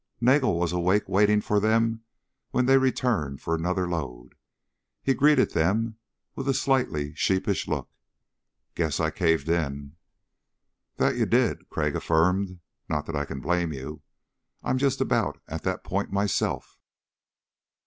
Nagel was awake, waiting for them when they returned for another load. He greeted them with a slightly sheepish look. "Guess I caved in." "That you did," Crag affirmed. "Not that I can blame you. I'm just about at that point myself."